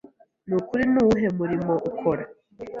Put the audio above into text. Nukuri ni uwuhe murimo ukora?